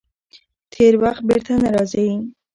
تېر وخت بېرته نه راځي.